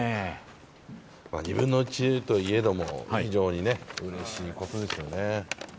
２分の１といえども、うれしいことですよね。